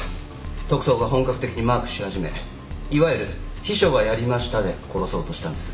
特捜が本格的にマークし始めいわゆる「秘書がやりました」で殺そうとしたんです。